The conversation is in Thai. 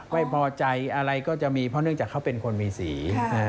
ไม่พอใจอะไรก็จะมีเพราะเนื่องจากเขาเป็นคนมีสี